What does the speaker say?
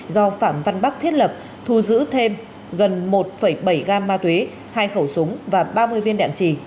do phạm văn bắc thiết lập thu giữ thêm gần một bảy gam ma túy hai khẩu súng và ba mươi viên đạn trì